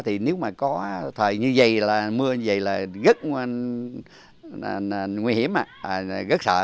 thì nếu mà có thời như vầy mưa như vầy là rất nguy hiểm rất sợ